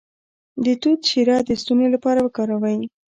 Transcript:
د توت شیره د ستوني لپاره وکاروئ